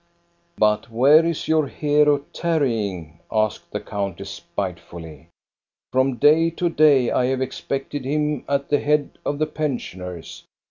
" But where is your hero tarrying? " asks the countess, spitefully. " From day to day I have ex pected him at the head of the pensioners.